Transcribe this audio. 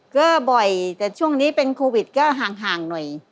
ก็บ่อยแต่ช่วงนี้เป็นโควิดก็ห่างหน่อย